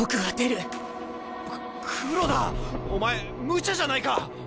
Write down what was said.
お前むちゃじゃないか！